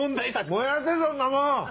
燃やせそんなもん！